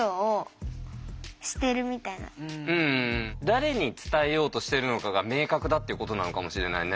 誰に伝えようとしてるのかが明確だっていうことなのかもしれないね。